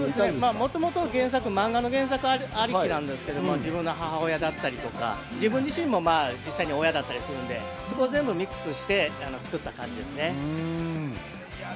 もともと漫画の原作ありきなんですけど、自分の母親だったりとか、自分も親だったりするので、全部ミックスして作った感じです。